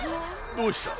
どうした？